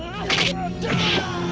siapa yang melukaimu milam